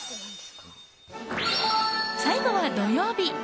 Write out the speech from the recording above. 最後は土曜日。